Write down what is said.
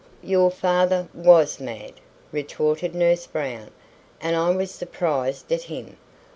"Your father was mad," retorted Nurse Brown, "and I was surprised at him.